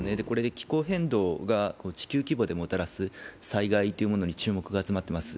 気候変動が地球規模でもたらす災害っていうものに注目が集まっています。